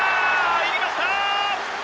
入りました！